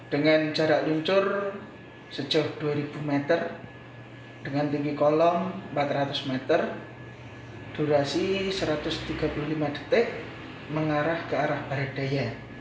dengan jarak luncur sejauh dua ribu meter dengan tinggi kolong empat ratus meter durasi satu ratus tiga puluh lima detik mengarah ke arah barat daya